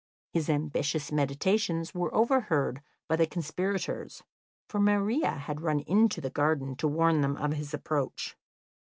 His ambitious meditations were overheard by the conspirators, for Maria had run into the garden to warn them of his approach.